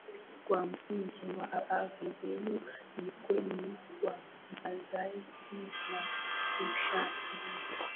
kwa msingi wa habari zenye ukweli wa kisayansi na uchambuzi